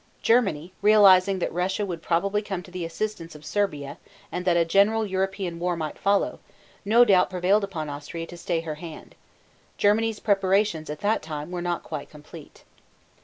Germany, realizing that Russia would probably come to the assistance of Serbia and that a general European war might follow, no doubt prevailed upon Austria to stay her hand. Germany's preparations at that time were not quite complete.